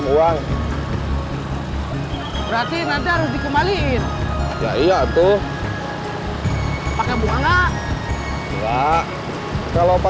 bayarnya berapa lama